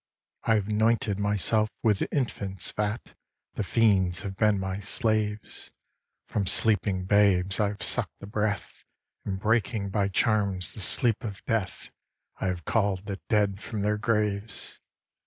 'I have 'nointed myself with infant's fat, The fiends have been my slaves, From sleeping babes I have suck'd the breath, And breaking by charms the sleep of death, I have call'd the dead from their graves.